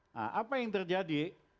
nah apa yang terjadi